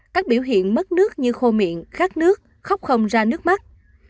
các biểu hiện mất nước như khô miệng khát nước khóc không ra nước mắt